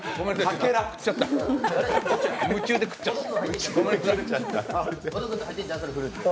夢中で食っちゃった。